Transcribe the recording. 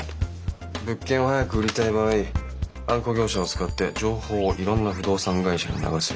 物件を早く売りたい場合あんこ業者を使って情報をいろんな不動産会社に流す。